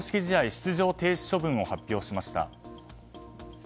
出場停止処分を発表しました。